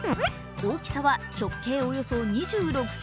大きさは直径およそ２６ｃｍ。